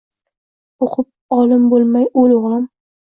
O’qib olim bo’lmay o’l, o’g’lim